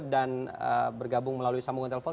dan bergabung melalui sambungan telepon